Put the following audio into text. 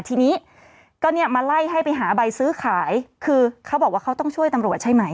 ทีนี้ก็เนี่ยมาไล่ให้ไปหาใบซื้อขายคือเขาบอกว่าเขาต้องช่วยตำรวจใช่ไหม